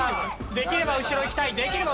できれば後ろいきたい。